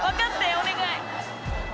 お願い。